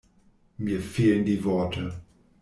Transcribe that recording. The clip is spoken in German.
Mir fehlen die Worte.